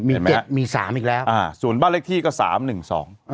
มีเจ็ดมีสามอีกแล้วอ่าส่วนบ้านเลขที่ก็สามหนึ่งสองอ่า